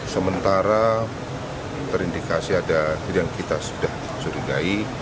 sementara terindikasi ada yang kita sudah curigai